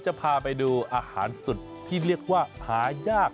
จะพาไปดูอาหารสุดที่เรียกว่าหายาก